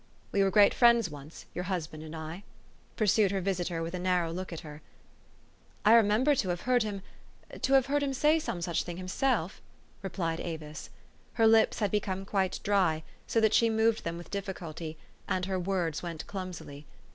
"We were great friends once, your husband and I," pursued her visitor with a narrow look at her. '' I remember to have heard him to have heard him say some such thing himself," replied Avis. THE STORY OF AVIS. 297 Her lips had become quite dry, so that she moved them with difficulty, and her words went clumsily.